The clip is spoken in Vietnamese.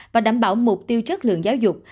và đảm bảo mục tiêu chất lượng giáo dục